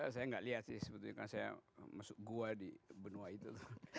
saya nggak lihat sih sebetulnya saya masuk gua di benua itu